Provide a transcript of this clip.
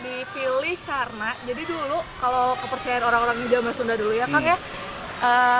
dipilih karena jadi dulu kalau kepercayaan orang orang di jambasunda dulu ya kak ya